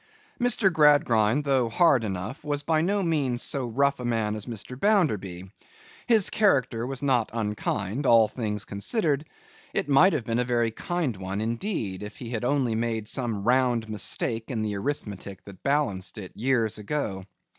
Mr. Gradgrind, though hard enough, was by no means so rough a man as Mr. Bounderby. His character was not unkind, all things considered; it might have been a very kind one indeed, if he had only made some round mistake in the arithmetic that balanced it, years ago.